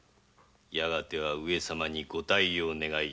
やがては上様にご退位を願い